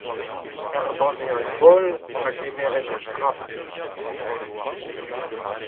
Ur banne alkool a gemerent a-skrap.